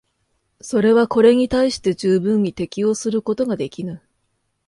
それはこれに対して十分に適応することができぬ。